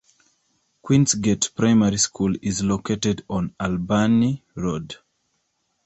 Queensgate Primary School is located on Albany Road.